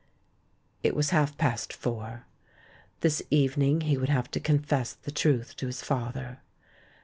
It was half past four. This evening he would have to confess the truth to his father.